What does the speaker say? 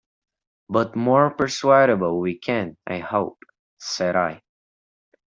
"But more persuadable we can, I hope," said I.